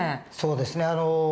そうですね。